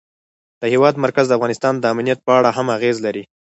د هېواد مرکز د افغانستان د امنیت په اړه هم اغېز لري.